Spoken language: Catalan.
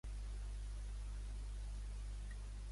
Planta d'estiu a Jenkinsville, Carolina del Sud.